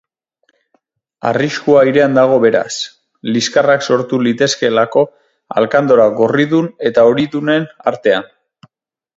Arriskua airean dago beraz, liskarrak sortu litezkeelako alkandora gorridun eta horidunen artean.